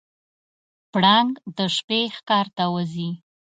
پړانګ د شپې ښکار ته وځي.